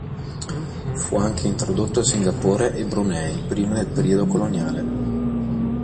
Fu anche introdotto a Singapore e Brunei prima del periodo coloniale.